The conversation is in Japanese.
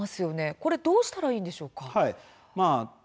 これどうしたらいいんでしょうか。